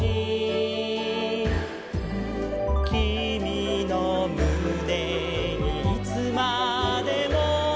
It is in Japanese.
「きみのむねにいつまでも」